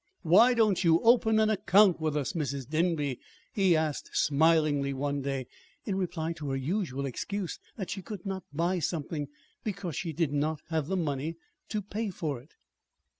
"Why don't you open an account with us, Mrs. Denby?" he asked smilingly one day, in reply to her usual excuse that she could not buy something because she did not have the money to pay for it.